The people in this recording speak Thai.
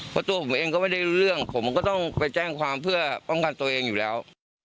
เพราะตัวผมเองก็ไม่ได้รู้เรื่องผมก็ต้องไปแจ้งความเพื่อป้องกันตัวเองอยู่แล้ว